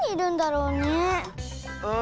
うん。